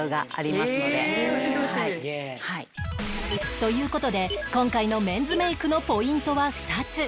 という事で今回のメンズメイクのポイントは２つ